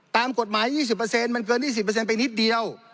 ตามกฎหมาย๒๐มันเกิน๒๐ไปนิดเดียว